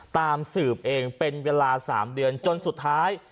ตามสืบเองเป็นเวลา๓เดือนจนสุดท้าย